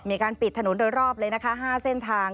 มีการปิดถนนโดยรอบเลยนะคะ๕เส้นทาง